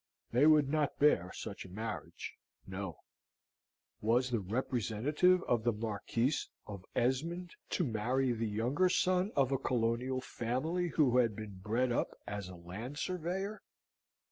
They would not bear such a marriage no. Was the representative of the Marquises of Esmond to marry the younger son of a colonial family, who had been bred up as a land surveyor?